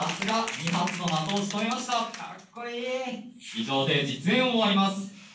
以上で実演を終わります。